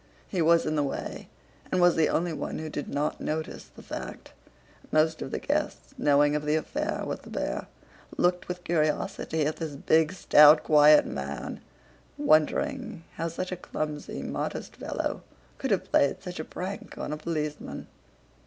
He was in the way and was the only one who did not notice the fact. Most of the guests, knowing of the affair with the bear, looked with curiosity at this big, stout, quiet man, wondering how such a clumsy, modest fellow could have played such a prank on a policeman.